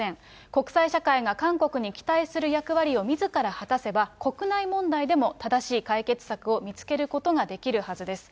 国際社会が韓国に期待する役割をみずから果たせば、国内問題でも正しい解決策を見つけることができるはずです。